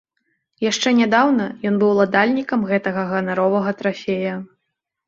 Яшчэ нядаўна ён быў уладальнікам гэтага ганаровага трафея.